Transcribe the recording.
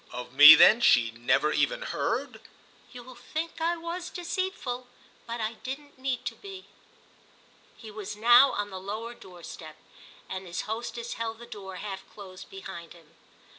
"Of me then she never even heard?" "You'll think I was deceitful. But I didn't need to be!" He was now on the lower door step, and his hostess held the door half closed behind him.